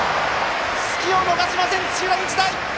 隙を逃しません、土浦日大！